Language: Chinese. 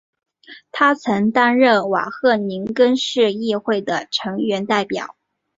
他曾担任瓦赫宁根市议会的成员代表。